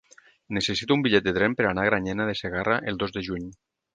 Necessito un bitllet de tren per anar a Granyena de Segarra el dos de juny.